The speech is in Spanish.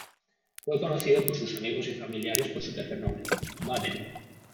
Fue conocido por sus amigos y familiares por su tercer nombre, "Baden".